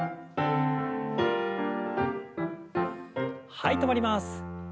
はい止まります。